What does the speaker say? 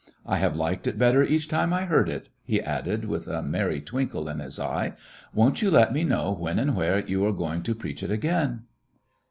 I have liked it better each time I heard it," he added, with a merry twinkle in his eye. "Won't you let me know when and where you are going to preach it again?"